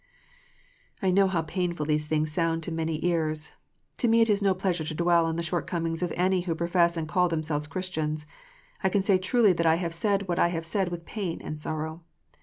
I know how painful these things sound to many ears. To me it is no pleasure to dwell on the shortcomings of any who profess and call themselves Christians. I can say truly that I have said what I have said with pain and sorrow.